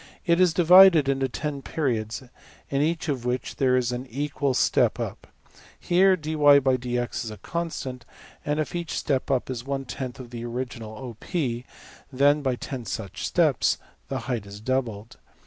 It is divided into $10$~periods, in each of which there is an equal step up. Here $\dfrac{dy}{dx}$~is a constant; and if each step up is $\frac$~of the original~$OP$, then, by $10$~such steps, the height is doubled.